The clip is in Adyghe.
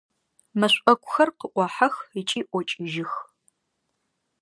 Мэшӏокухэр къыӏохьэх ыкӏи ӏокӏыжьых.